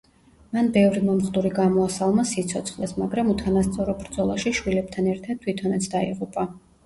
მან ბევრი მომხდური გამოასალმა სიცოცხლეს, მაგრამ უთანასწორო ბრძოლაში შვილებთან ერთად თვითონაც დაიღუპა.